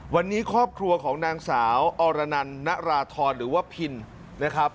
วันนี้ครอบครัวของนางสาวอรนันนราธรหรือว่าพินนะครับ